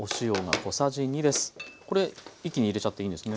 これ一気に入れちゃっていいんですね。